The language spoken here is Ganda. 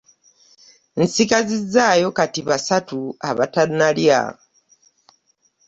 Nsigaziza yo Kati basatu abatanalya.